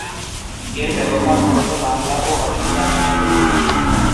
এর ব্যবহার মূলত বাংলা ও অসমীয় ভাষাতেই অধিক।